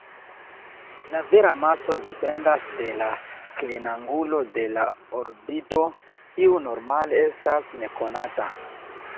La vera maso dependas de la klinangulo de la orbito, kiu normale estas nekonata.